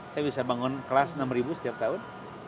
saya bisa bangun kelas enam ribu setiap tahun